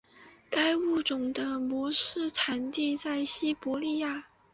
该物种的模式产地在西伯利亚。